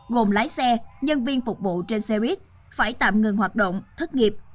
gồm lái xe nhân viên phục vụ trên xe bít phải tạm ngưng hoạt động thất nghiệp